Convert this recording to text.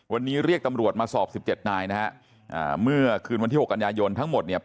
วันนี้เรียกตำรวจมาสอบ๑๗นายนะฮะเมื่อคืนวันที่๖กันยายนทั้งหมดเนี่ย